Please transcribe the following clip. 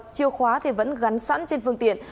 chiêu khóa thì vẫn gắn sẵn trên phương tiện